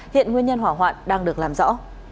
hiện nguyên nhân hỏa hoạn đang được làm rõ